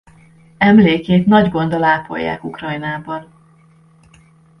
Emlékét nagy gonddal ápolják Ukrajnában.